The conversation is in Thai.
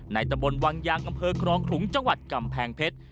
ตะบนวังยางอำเภอครองขลุงจังหวัดกำแพงเพชร